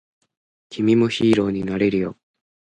君もヒーローになれるよ